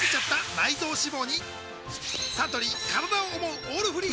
サントリー「からだを想うオールフリー」